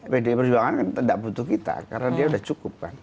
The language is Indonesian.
pdi perjuangan kan tidak butuh kita karena dia sudah cukup kan